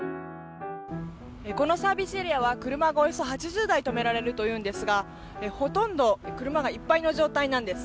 このサービスエリアは車がおよそ８０台止められるというんですがほとんど車がいっぱいの状態なんです。